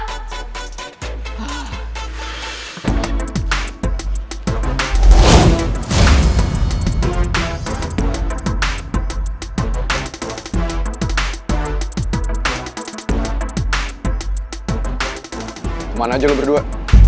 teman aja lo berdua